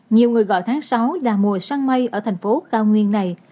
nhiều người gọi tháng sáu là mùa săn mây ở thành phố cao nguyên này